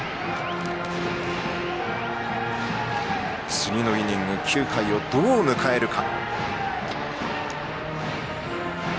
次のイニング、９回をどう迎えるか。